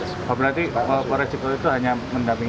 berarti kalau pol da jawa barat itu hanya mendaping